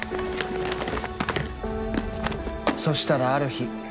そしたらある日。